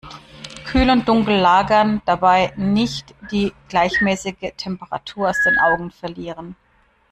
Kühl und dunkel lagern, dabei nicht die gleichmäßige Temperatur aus den Augen verlieren.